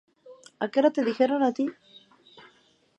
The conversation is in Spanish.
Este cargamento es requisado por las autoridades argentinas.